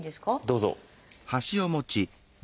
どうぞ。